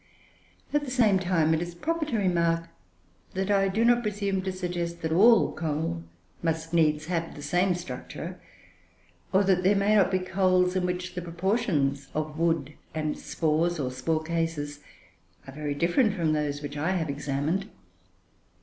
At the same time, it is proper to remark that I do not presume to suggest that all coal must needs have the same structure; or that there may not be coals in which the proportions of wood and spores, or spore cases, are very different from those which I have examined.